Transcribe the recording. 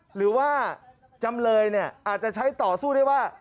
หรือว่าจำเลยเนี่ยอาจจะใช้ต่อสู้ได้ว่า